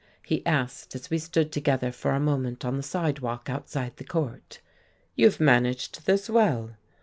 he asked, as we stood together for a moment on the sidewalk outside the court. "You have managed this well.